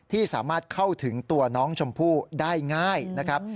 ที่สามารถเข้าถึงตัวน้องชมพู่ได้ง่ายนะครับ